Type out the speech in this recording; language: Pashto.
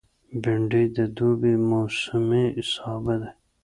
بېنډۍ د دوبي موسمي سابه دی